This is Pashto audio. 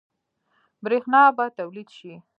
برښنا به تولید شي؟